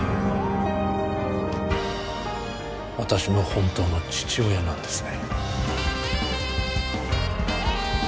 私の本当の父親なんですね